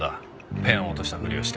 ペンを落としたふりをして。